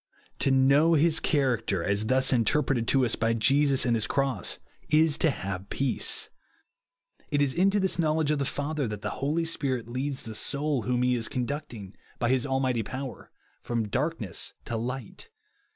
To know his character as thus interpreted to us by Jesus and his cross, is to have peace. It is into this knowledge of the Father that the Holy Spirit leads the soul whom he is conducting, by his almighty pov/er, from darkness to light.